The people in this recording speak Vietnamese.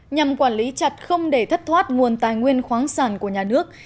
nhằm quản lý chặt không để thất thoát nguồn tài nguyên khoáng sản của nhà nước